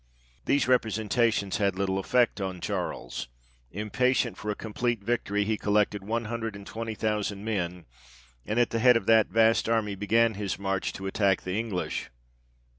These representations had little effect on Charles ; impatient for a complete victory, he collected one hundred and twenty thousand men, and at the head of that vast army began his march to attack the English.